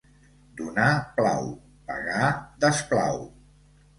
Donar plau, pagar desplau.